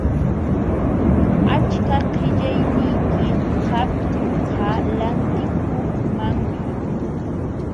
Achka qillayniyki kaptinqa lantikukmanmi.